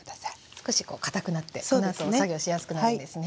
少しかたくなってこのあとも作業しやすくなるんですね。